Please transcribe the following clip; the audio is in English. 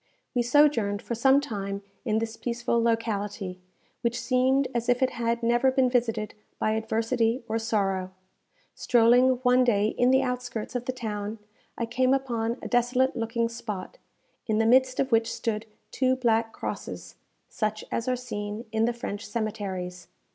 We sojourned for some time in this peaceful locality, which seemed as if it had never been visited by adversity or sorrow. Strolling one day in the outskirts of the town, I came upon a desolate looking spot, in the midst of which stood two black crosses, such as are seen in the French cemeteries.